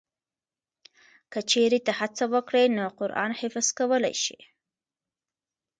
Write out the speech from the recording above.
که چېرې ته هڅه وکړې نو قرآن حفظ کولی شې.